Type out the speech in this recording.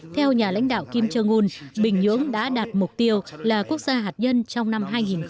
theo nhà lãnh đạo kim jong un bình nhưỡng đã đạt mục tiêu là quốc gia hạt nhân trong năm hai nghìn một mươi năm